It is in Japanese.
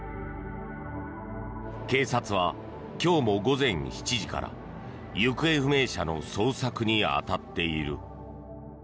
警察は今日も午前７時から行方不明者の捜索に当たっている。